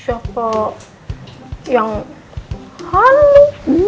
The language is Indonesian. siapa yang halu